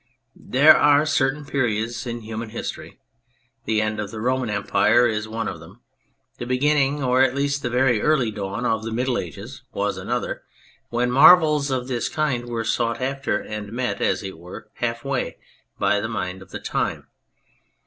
There are certain periods in human history the end of the Roman Empire is one of them ; the beginning, or at least the very early dawn, of the Middle Ages was another when marvels of this kind were sought after and met, as it were, half way by the mind of the time.